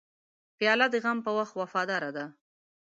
پیاله د غم په وخت وفاداره ده.